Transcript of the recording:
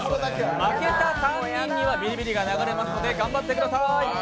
負けた３人にはビリビリが流れますので、頑張ってくださーい。